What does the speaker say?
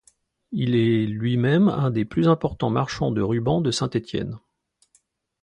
Il est lui-même un des plus importants marchands de rubans de Saint-Étienne.